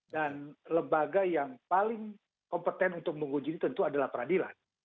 dan lembaga yang paling kompeten untuk menguji tentu adalah peradilan